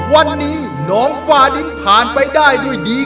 วันนี้น้องฟาดินผ่านไปได้ด้วยดี